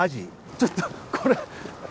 ちょっとこれ。